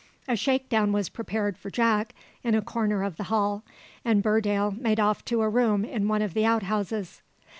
A shake down was prepared for Jack in a corner of the hall; and Burdale made off to a room in one of the out houses.